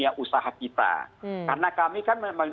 satu dua daripada tentang persedaran sekaligus